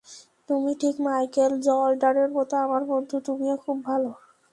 তুমি ঠিক মাইকেল জর্ডানের মতো আমার বন্ধু তুমিও খুব ভাল।